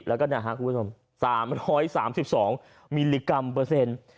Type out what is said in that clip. แล้วก็นะครับคุณผู้ชม๓๓๒มิลลิกรัมเปอร์เซ็นต์